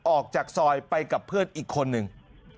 ออกจากซอยไปกับเพื่อนอีกคนนึง